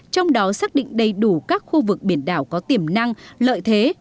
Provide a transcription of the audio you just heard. trong đó xác định đầy đủ các khu vực biển đảo có tiềm năng lợi thế